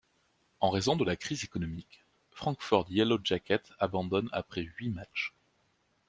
En raison de la crise économique, Frankford Yellow Jackets abandonne après huit matches.